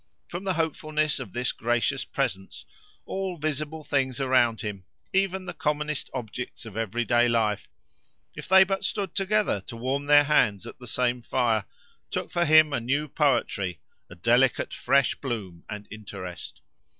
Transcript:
From the hopefulness of this gracious presence, all visible things around him, even the commonest objects of everyday life—if they but stood together to warm their hands at the same fire—took for him a new poetry, a delicate fresh bloom, and interest.